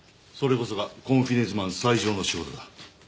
それこそがコンフィデンスマン最上の仕事だ。